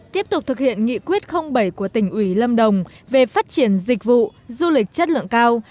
tiếp tục thực hiện nghị quyết bảy của tỉnh ủy lâm đồng về phát triển dịch vụ du lịch chất lượng cao